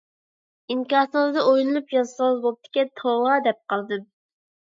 ئىنكاسىڭىزنى ئويلىنىپ يازسىڭىز بوپتىكەن، توۋا دەپ قالدىم.